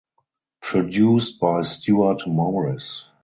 Produced by Stewart Morris.